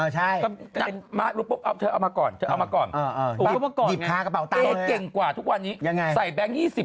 บางวัฒน์มารุปแอ๊พเธอเอามาก่อนอ่ามาก่อนเป็นกว่าทุกวันนี้ใส่แบงค์